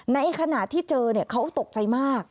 ในขณะที่เจอเขาตกใจมาก